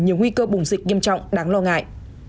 nhiều nguy cơ bùng dịch nghiêm trọng đáng lo ngại